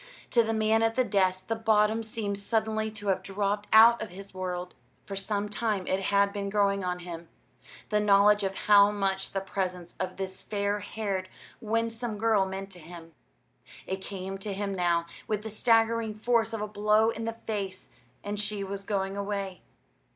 To the man at the desk the bottom seemed suddenly to have dropped out of his world. For some time it had been growing on him the knowledge of how much the presence of this fair haired, winsome girl meant to him. It came to him now with the staggering force of a blow in the face and she was going away.